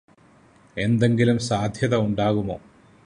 എന്തെങ്കിലും സാധ്യത ഉണ്ടാകുമോ